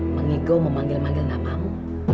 mengigau memanggil manggil namamu